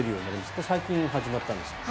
これ、最近始まったんですよね。